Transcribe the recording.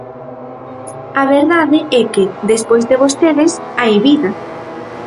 A verdade é que, despois de vostedes, hai vida.